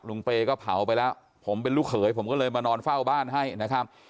เปย์ก็เผาไปแล้วผมเป็นลูกเขยผมก็เลยมานอนเฝ้าบ้านให้นะครับ